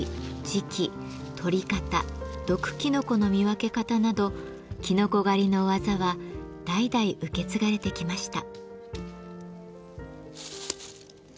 時期採り方毒きのこの見分け方などきのこ狩りの技は代々受け継がれてきました。